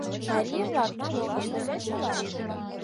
Марий-влак налогым кузе тӱлат?